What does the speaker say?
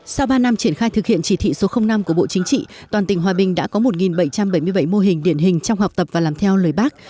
sau ba năm triển khai thực hiện chỉ thị số năm của bộ chính trị toàn tỉnh hòa bình đã có một bảy trăm bảy mươi bảy mô hình điển hình trong học tập và làm theo lời bác